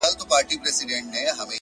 چي سُجده پکي. نور په ولاړه کيږي.